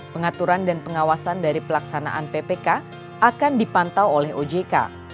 pengaturan dan pengawasan dari pelaksanaan ppk akan dipantau oleh ojk